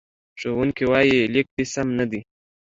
ښوونکی وایي، لیک دې سم نه دی.